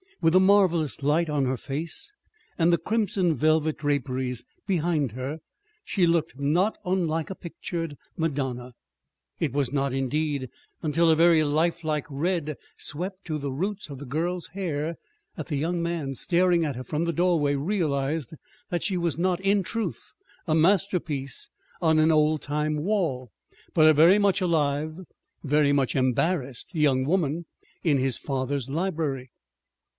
With the marvelous light on her face, and the crimson velvet draperies behind her, she looked not unlike a pictured Madonna. It was not, indeed, until a very lifelike red swept to the roots of the girl's hair that the young man, staring at her from the doorway, realized that she was not, in truth, a masterpiece on an old time wall, but a very much alive, very much embarrassed young woman in his father's library.